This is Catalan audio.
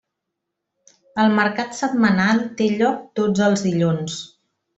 El mercat setmanal té lloc tots els dilluns.